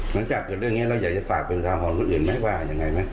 หลังจากเกิดเรื่องนี้เราอยากจะฝากเป็นอุทาหรณ์คนอื่นไหมว่ายังไงไหม